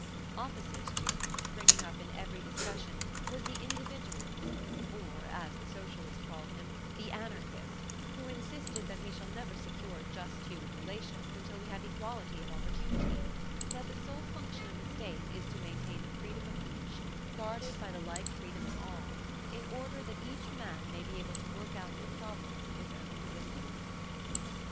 Opposite to him, springing up in every discussion was the individualist, or, as the socialist called him, the anarchist, who insisted that we shall never secure just human relations until we have equality of opportunity; that the sole function of the state is to maintain the freedom of each, guarded by the like freedom of all, in order that each man may be able to work out the problems of his own existence.